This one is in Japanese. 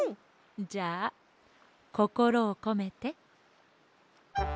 じゃあこころをこめて。